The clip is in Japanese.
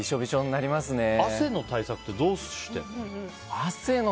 汗の対策ってどうしてるの？